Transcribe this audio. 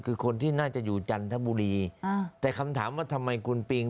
คือคนที่น่าจะอยู่จันทบุรีอ่าแต่คำถามว่าทำไมคุณปิง